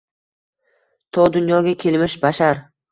To dunyoga kelmish bashar